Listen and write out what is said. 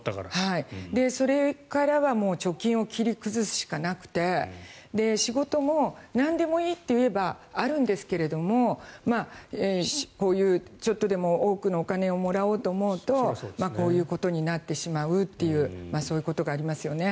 それからはもう貯金を切り崩すしかなくて仕事も、なんでもいいと言えばあるんですけれどもこういう、ちょっとでも多くのお金をもらおうと思うとこういうことになってしまうということがありますよね。